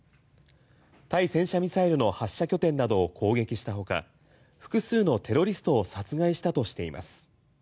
対戦車ミサイルの発射拠点などを攻撃したほか複数のテロリストを殺害したとしています。